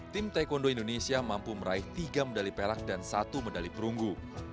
tim taekwondo indonesia mampu meraih tiga medali perak dan satu medali perunggu